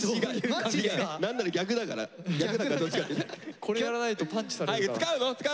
これやらないとパンチされるから。